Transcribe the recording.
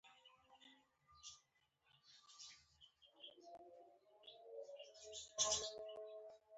ما قدمونه لږ تیز کړل او هغوی خوا ته لاړم.